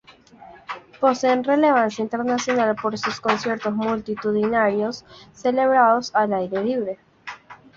Posee relevancia internacional por sus conciertos multitudinarios celebrados al aire libre.